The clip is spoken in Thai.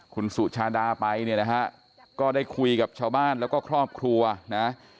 คุณสุชาดาไปเนี่ยนะฮะก็ได้คุยกับชาวบ้านแล้วก็ครอบครัวนะ